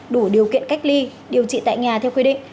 đủ điều kiện cách ly điều trị tại nhà theo quy định